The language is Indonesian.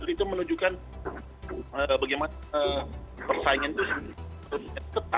itu menunjukkan bagaimana persaingan itu